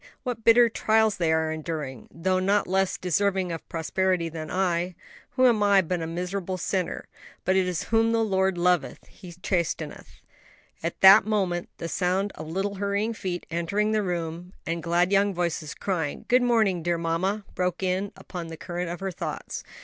what bitter trials they are enduring; though not less deserving of prosperity than I, who am but a miserable sinner. But it is whom the Lord loveth He chasteneth." At that moment the sound of little hurrying feet, entering the room, and glad young voices crying, "Good morning, dear mamma!" broke in upon the current of her thoughts.